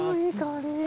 いい香り。